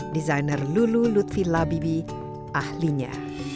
desainer lulu lutfi labibi ahlinya